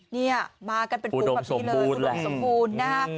เนี่ยมากันเป็นฝูงแบบนี้เลยฝูดมสมบูรณ์แหละฝูดมสมบูรณ์นะ